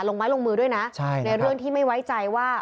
ลงไม้ลงมือด้วยนะในเรื่องที่ไม่ไว้ใจว่า